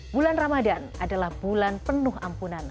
bulan ramadan adalah bulan penuh ampunan